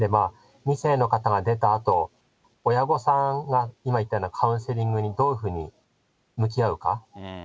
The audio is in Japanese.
２世の方が出たあと、親御さんが、今言ったようなカウンセリングにどういうふうに向き合うか。